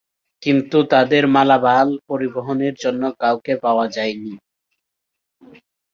কিন্তু তাদের মালামাল পরিবহণের জন্য কাউকে পাওয়া যায় নি।